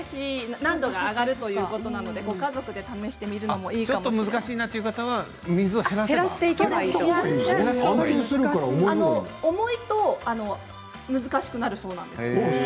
難度が上がるということでご家族で試してみるのもいいかも難しいという方は重いと難しくなるそうです。